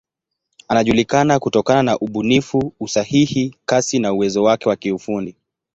Anajulikana kutokana na ubunifu, usahihi, kasi na uwezo wake wa kiufundi.